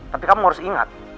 tapi kamu harus ingat